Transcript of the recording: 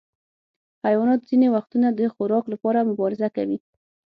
حیوانات ځینې وختونه د خوراک لپاره مبارزه کوي.